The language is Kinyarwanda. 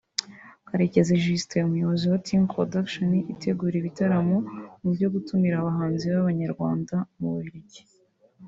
Karekezi Justin umuyobozi wa Team Production itegura ibitaramo mu byo gutumira abahanzi b’Abanyarwanda mu Bubiligi